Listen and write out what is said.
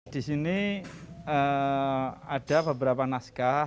di sini ada beberapa naskah